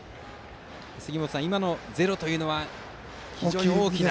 杉本さん、今のゼロは非常に大きな。